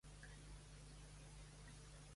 Salazar lluita com pes pesat.